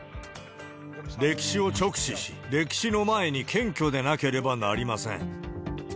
歴史を直視し、歴史の前に謙虚でなければなりません。